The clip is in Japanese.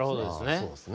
そうですね。